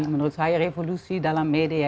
menurut saya revolusi dalam media